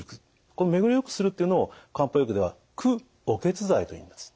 この巡りをよくするっていうのを漢方薬では駆血剤といいます。